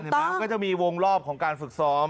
มันก็จะมีวงรอบของการฝึกซ้อม